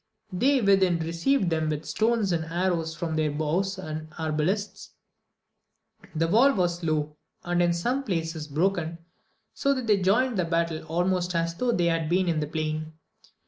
They within received them with stones and arrows from their bows and arbalists; the wall was low, and in some places broken, so that they joined battle almost as though they had been in the plain.